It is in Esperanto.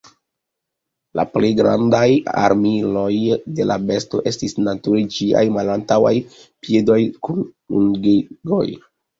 La plej grandaj armiloj de la besto estis nature ĝiaj malantaŭaj piedoj kun ungegoj.